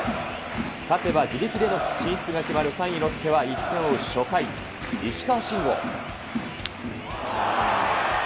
勝ては自力での進出が決まる３位ロッテは１点を追う初回、石川しんご。